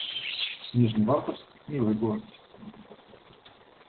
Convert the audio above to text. Нижневартовск — милый город